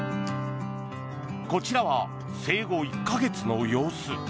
こちらは生後１か月の様子。